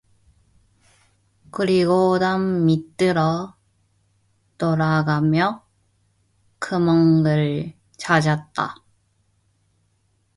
그리고 담 밑으로 돌아가며 구멍을 찾았다.